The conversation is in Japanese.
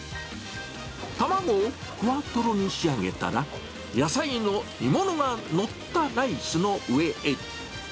卵をふわとろに仕上げたら、野菜の煮物が載ったライスの上へ。